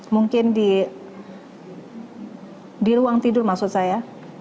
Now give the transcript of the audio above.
mungkin di ruang tidur maksud saya